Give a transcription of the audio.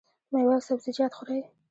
میوه او سبزیجات خورئ؟